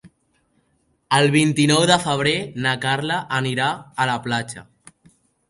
El vint-i-nou de febrer na Carla anirà a la platja.